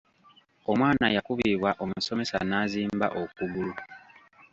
Omwana yakubibwa omusomesa n’azimba okugulu.